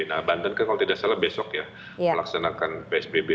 nah banten kan kalau tidak salah besok ya melaksanakan psbb